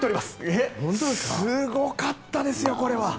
すごかったですよ！